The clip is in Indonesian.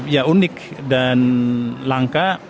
ya unik dan langka